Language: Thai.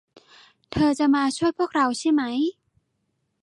เธอจะมาช่วยพวกเราใช่ไหม